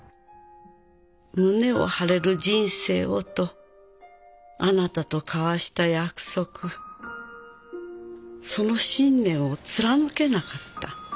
「胸を張れる人生をとあなたと交わした約束」「その信念を貫けなかった」